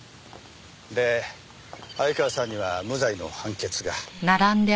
で相川さんには無罪の判決が。